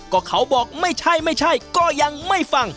ก็เขาบอกไม่ใช่ไม่ใช่ก็ยังไม่ฟัง